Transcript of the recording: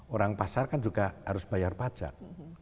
orang pasar kan juga harus bayar pajak